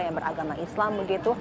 yang beragama islam begitu